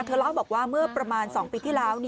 เล่าบอกว่าเมื่อประมาณ๒ปีที่แล้ว